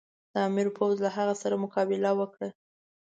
د امیر پوځ له هغه سره مقابله وکړه.